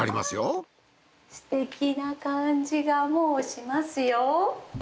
すてきな感じがもうしますよ。